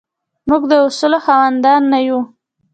موږ د اصولو خاوندان نه یو.